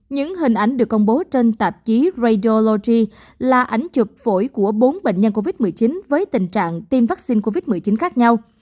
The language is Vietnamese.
những hình ảnh được công bố trên tạp chí rao logi là ảnh chụp phổi của bốn bệnh nhân covid một mươi chín với tình trạng tiêm vaccine covid một mươi chín khác nhau